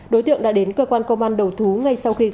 đối tượng đã đến cơ quan công an đầu thú ngay sau khi gây án